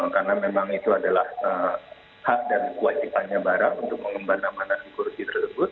karena memang itu adalah hak dan kewajibannya barat untuk mengembangkan mana di kursi tersebut